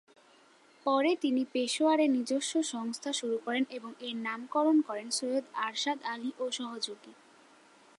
পরে তিনি পেশোয়ারে নিজস্ব সংস্থা শুরু করেন এবং এর নামকরণ করেন "সৈয়দ আরশাদ আলী ও সহযোগী"।